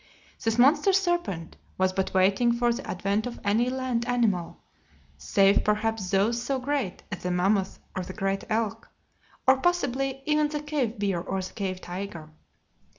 This monster serpent was but waiting for the advent of any land animal, save perhaps those so great as the mammoth or the great elk, or, possibly, even the cave bear or the cave tiger.